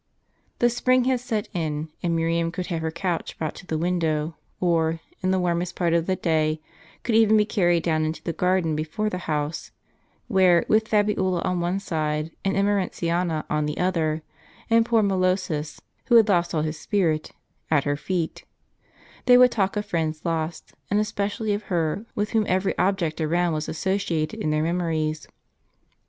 The spring had set in, and Miriam could have her couch brought to the window, or, in the warmest part of the day, could even be carried down into the garden before the house, where, with Fabiola on one side and Emerentiana on the other, and poor Molossus, who had lost all his spirit, at her feet, they would talk of friends lost, and especially of her with whom every object around was associated in their memories.